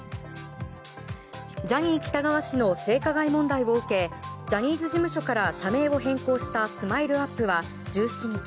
ジャニー喜多川氏の性加害問題を受けジャニーズ事務所から社名を変更したＳＭＩＬＥ‐ＵＰ．は１７日